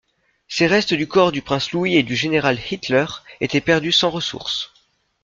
Ces restes du corps du prince Louis et du général Hitler étaient perdus sans ressource.